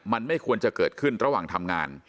มันไม่ควรจะเกิดขึ้นระหว่างทำงาน